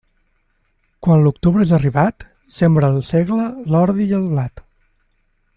Quan l'octubre és arribat, sembra el segle, l'ordi i el blat.